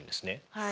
はい。